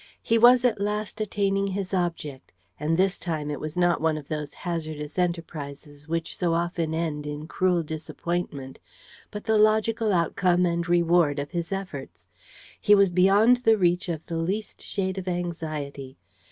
He was at last attaining his object; and this time it was not one of those hazardous enterprises which so often end in cruel disappointment, but the logical outcome and reward of his efforts. He was beyond the reach of the least shade of anxiety.